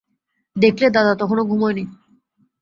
দেখলে দাদা তখনো ঘুমোয় নি।